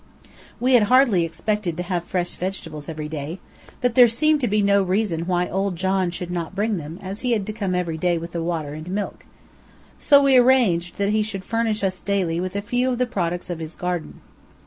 We had hardly expected to have fresh vegetables every day, but there seemed to be no reason why old John should not bring them, as he had to come every day with the water and milk. So we arranged that he should furnish us daily with a few of the products of his garden.